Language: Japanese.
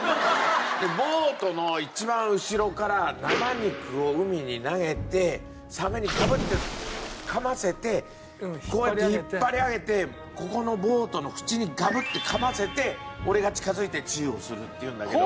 ボートの一番後ろから生肉を海に投げてサメにガブッてかませてこうやって引っ張り上げてここのボートの縁にガブッてかませて俺が近づいてチューをするっていうんだけど。